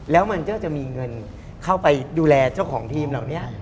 แล้วมันก็จะมีเงินเข้าไปดูแลเจ้าของทีมเหล่านี้